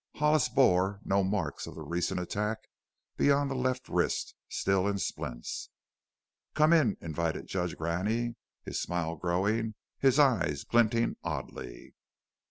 Hollis bore no marks of the recent attack beyond the left wrist, still in splints. "Come in," invited Judge Graney, his smile growing, his eyes glinting oddly.